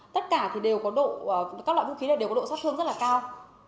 tất cả thì đều có các loại vũ khí này đều có độ sát thương rất là cao